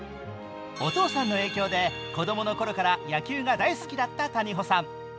お父さんの影響で子供のころから野球が大好きだった谷保さん。